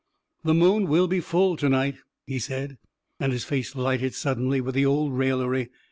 " The moon will be full to night," he said; and his face lighted suddenly with the old raillery.